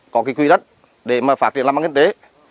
có quy đất để phát triển làm bán kinh tế